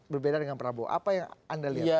berbeda dengan prabowo apa yang anda lihat